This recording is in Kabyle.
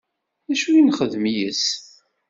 D acu i nxeddem yes-s?